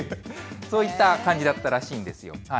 そういった感じだったらしいんですよ。